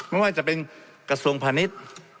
ไม่ว่าจะเป็นกระทรวงพาณิชย์